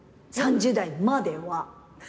３０代までは。